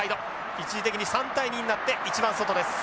一時的に３対２になって一番外です。